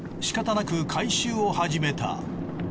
しかたなく回収を始めた。